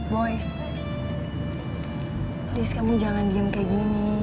boy terus kamu jangan diem kayak gini